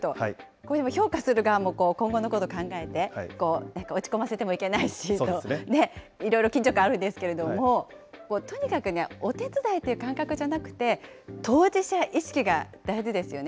これ、でも評価する側も今後のことを考えて、落ち込ませてもいけないしと、いろいろ緊張感あるんですけれども、とにかくね、お手伝いという感覚じゃなくて、当事者意識が大事ですよね。